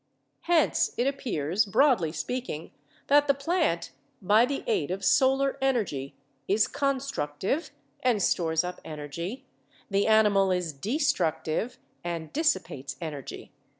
Hence it appears, broadly speaking, that the plant by the aid of solar energy is constructive, and stores up energy; the animal is destructive, and dissipates energy.